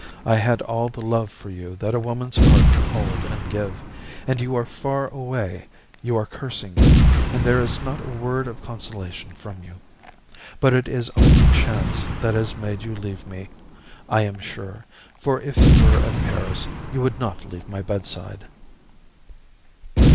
I had all the love for you that a woman's heart can hold and give, and you are far away, you are cursing me, and there is not a word of consolation from you. But it is only chance that has made you leave me, I am sure, for if you were at Paris, you would not leave my bedside.